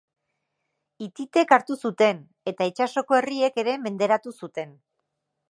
Hititek hartu zuten, eta itsasoko herriek ere menderatu zuten.